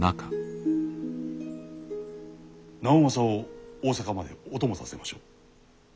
直政を大坂までお供させましょう。